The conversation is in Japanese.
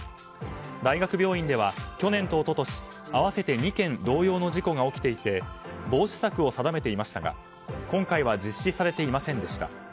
大学病院では去年と一昨年合わせて２件同様の事故が起きていて防止策を定めていましたが今回は実施されていませんでした。